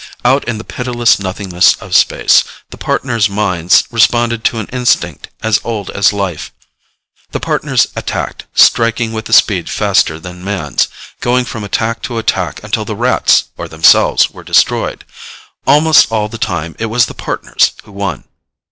Out in the pitiless nothingness of space, the Partners' minds responded to an instinct as old as life. The Partners attacked, striking with a speed faster than Man's, going from attack to attack until the Rats or themselves were destroyed. Almost all the time, it was the Partners who won.